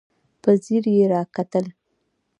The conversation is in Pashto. په ځير يې راکتل.